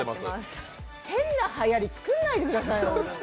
変なはやり、作んないでください。